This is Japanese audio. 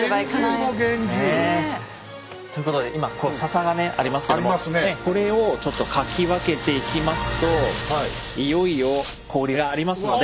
厳重も厳重。ということで今こう笹がねありますけどもこれをちょっとかき分けていきますといよいよ氷がありますので。